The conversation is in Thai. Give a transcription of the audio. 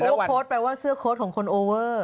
โอเวอร์โค้ดแปลว่าเสื้อโค้ดของคนโอเวอร์